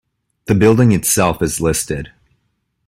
The building itself is listed.